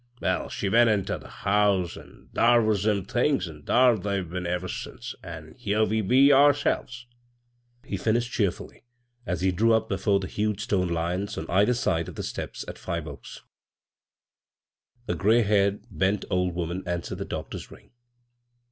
Well, she went inter the house, an' har was them things ; an' thar they've been :ver since — an' here we be ourselves," he inished cheerfully, as he drew up before the mge stone lions on either side of the steps at Mve Oaks. 67 b, Google CROSS CURRENTS A gray haired, bent old woman answered tbe doctor's ring.